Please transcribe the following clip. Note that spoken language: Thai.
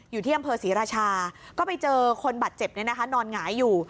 อยู่ที่อำเภอศรีราชาก็ไปเจอคนบาดเจ็บนอนหงายอยู่